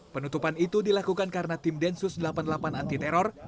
penutupan itu dilakukan karena tim densus delapan puluh delapan anti teror